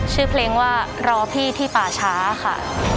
ชื่อเพลงว่ารอพี่ที่ป่าช้าค่ะ